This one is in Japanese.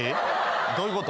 どういうこと？